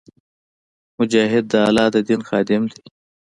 مجاهد د الله د دین خادم وي.